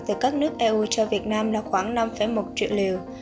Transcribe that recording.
từ các nước eu cho việt nam là khoảng năm một triệu liều